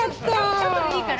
ちょっとでいいから。